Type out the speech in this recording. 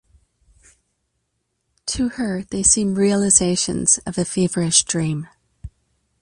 To her they seem realizations of a feverish dream.